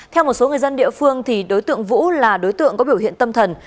theo một số người dân địa phương đối tượng vũ là đối tượng có biểu hiện tâm thần